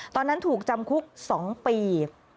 ตอนนั้นถูกจำคุก๒ปี